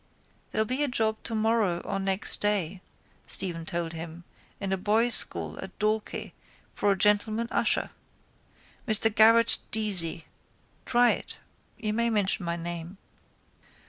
—There'll be a job tomorrow or next day, Stephen told him, in a boys' school at Dalkey for a gentleman usher. Mr Garrett Deasy. Try it. You may mention my name.